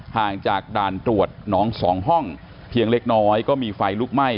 ห่างจากด่านตรวจน้องสองห้องเพียงเล็กน้อยก็มีไฟลุกไหม้